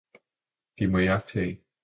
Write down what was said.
De må iagttage.